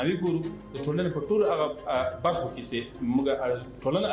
saya ingin bertanya kepada anda saya ingin bertanya kepada anda